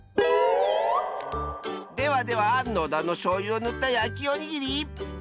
ではでは野田のしょうゆをぬったやきおにぎり。